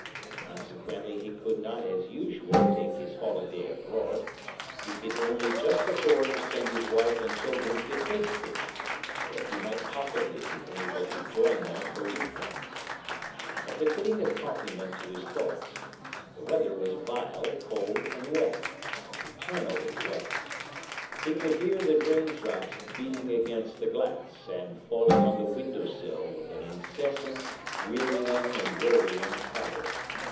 Consequently, he could not as usual take his holiday abroad; he could only just afford to send his wife and children to Hastings, where he might possibly be able to join them for week ends. As a fitting accompaniment to his thoughts, the weather was vile, cold and wet—eternally wet. He could hear the raindrops beating against the glass, and falling on the window sill with an incessant, wearying and worrying patter.